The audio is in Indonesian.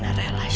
kalau ada ihrat